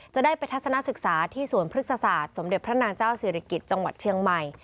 จะได้ไปทัศนศึกษาที่สวนพฤกษศาสตร์สมเด็จพระนางเจ้าศิริกิจจังหวัดเชียงใหม่